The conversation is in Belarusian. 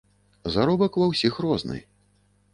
Заробак ва ўсіх розны.